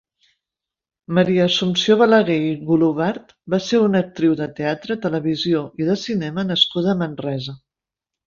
Maria Assumpció Balaguer i Golobart va ser una actriu de teatre, televisió i de cinema nascuda a Manresa.